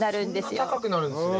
そんな高くなるんですね。